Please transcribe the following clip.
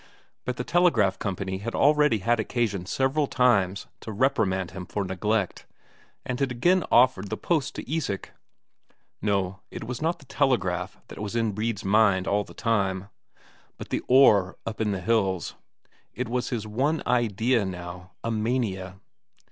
But the telegraph company had already had occasion several times to reprimand him for neglect, and had again offered the post to Isak. No, it was not the telegraph that was in Brede's mind all the time, but the ore up in the hills; it was his one idea now, a mania.